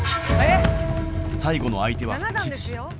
最後の相手は父。